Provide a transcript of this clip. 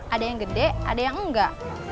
ada yang gede ada yang enggak